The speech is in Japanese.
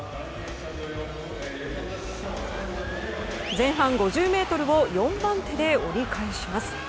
前半５０ｍを４番手で折り返します。